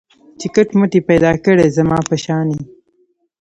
چي کټ مټ یې پیدا کړی زما په شان یې